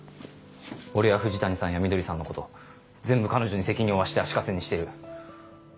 俺や藤谷さんやみどりさんのこと全部彼女に責任負わせて足かせにしてる。